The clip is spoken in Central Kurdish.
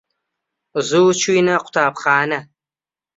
زوو چووینە قوتابخانە.